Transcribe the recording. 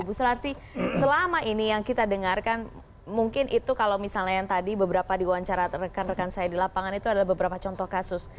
bu sularsi selama ini yang kita dengarkan mungkin itu kalau misalnya yang tadi beberapa diwawancara rekan rekan saya di lapangan itu adalah beberapa contoh kasus